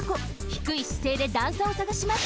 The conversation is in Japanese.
ひくいしせいで段差をさがします。